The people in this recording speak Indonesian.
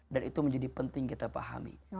dan itu menjadi penting kita pahami